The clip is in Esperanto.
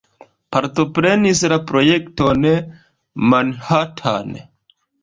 Partoprenis la projekton Manhattan.